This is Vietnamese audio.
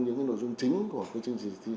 cho du lịch hải phòng